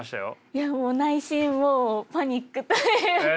いやもう内心もうパニックというか。